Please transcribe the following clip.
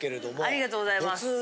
ありがとうございます。